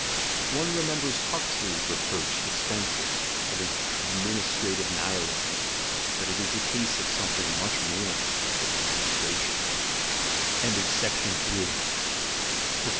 One remembers Huxley's reproach to Spencer of his "administrative Ni hilism": but it is a case of something much more than "administration."